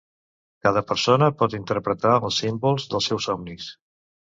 Cada persona pot interpretar els símbols dels seus somnis